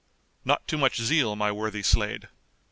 "Not too much zeal, my worthy Slade.